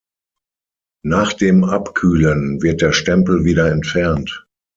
Nach dem Abkühlen wird der Stempel wieder entfernt.